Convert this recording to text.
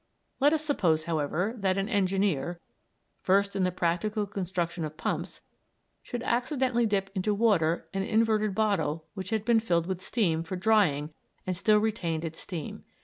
Let us suppose, however, that an engineer, versed in the practical construction of pumps, should accidentally dip into water an inverted bottle that had been filled with steam for drying and still retained its steam.